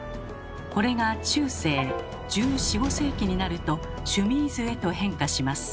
これが中世１４１５世紀になると「シュミーズ」へと変化します。